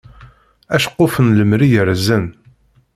Aceqquf n lemri yerẓen.